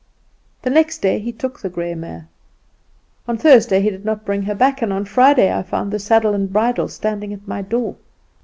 The next day he took the grey mare. On Thursday he did not bring her back, and on Friday I found the saddle and bridle standing at my door.